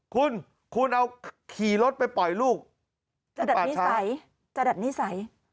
คุณคุณเอาขี่รถไปปล่อยลูกจะดัดนิสัย